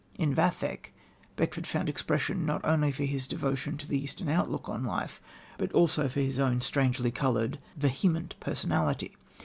In Vathek, Beckford found expression not only for his devotion to the Eastern outlook on life, but also for his own strangely coloured, vehement personality.